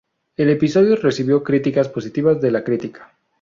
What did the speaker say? El episodio recibió críticas positivas de la crítica.